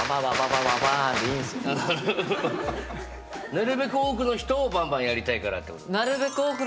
なるべく多くの人をバンバンやりたいからってこと？